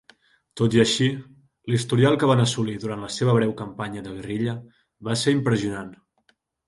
Tot i així, l'historial que van assolir durant la seva breu campanya de guerrilla va ser impressionant.